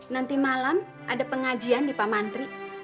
nanti malam ada pengajian di pamantri